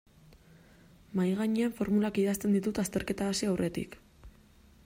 Mahaigainean formulak idazten ditut azterketa hasi aurretik.